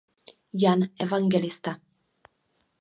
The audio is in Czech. Jan Evangelista.